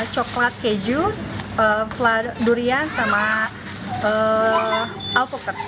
coklat keju durian sama alpukat